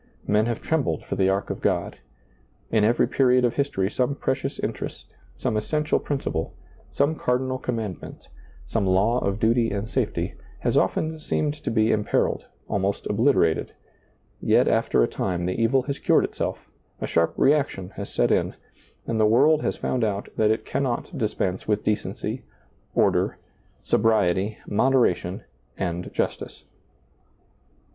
Men have trem bled for the ark of God — in every period of history some precious interest, some essential prin ciple, some cardinal commandment, some law of duty and safety, has often seemed to be imperiled, almost obliterated ; yet after a time the evil has cured itself, a sharp reaction has set in, and tlie ^lailizccbvGoOgle 93 SEEING DARKLY world has found out that it cannot dispense with decency, order, sobriety, moderation, and justice.